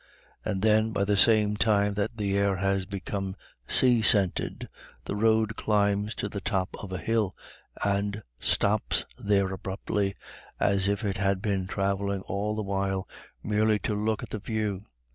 And then, by the time that the air has become sea scented, the road climbs to the top of a hill, and stops there abruptly, as if it had been travelling all the while merely to look at the view.